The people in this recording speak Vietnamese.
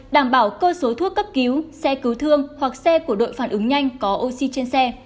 đảm bảo cơ số thuốc cấp cứu xe cứu thương hoặc xe của đội phản ứng nhanh có oxy trên xe